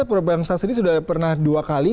perubahan sasi ini sudah pernah dua kali